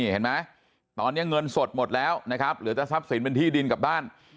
เห็นไหมตอนนี้เงินสดหมดแล้วนะครับเหลือแต่ทรัพย์สินเป็นที่ดินกลับบ้าน